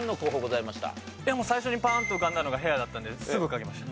いやもう最初にパーンと浮かんだのが「ｈａｉｒ」だったのですぐ書きました。